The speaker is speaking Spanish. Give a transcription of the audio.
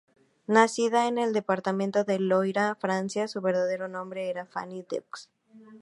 Nacida en el departamento del Loira, Francia, su verdadero nombre era Fanny Deux.